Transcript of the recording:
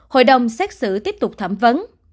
hội đồng xét xử tiếp tục thẩm vấn